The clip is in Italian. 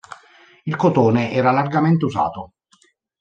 Il cotone era largamente usato.